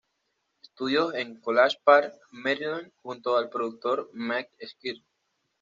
Studios en College Park, Maryland, junto al productor Matt Squire.